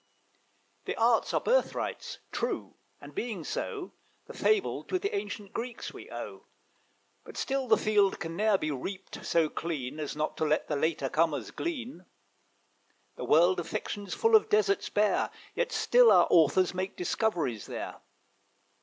The Arts are birthrights; true, and being so, The fable to the ancient Greeks we owe; But still the field can ne'er be reaped so clean As not to let the later comers glean. The world of fiction's full of deserts bare, Yet still our authors make discoveries there.